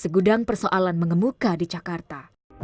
segudang persoalan mengemuka di jakarta